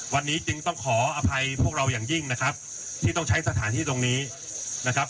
วันนี้จึงต้องขออภัยพวกเราอย่างยิ่งนะครับที่ต้องใช้สถานที่ตรงนี้นะครับ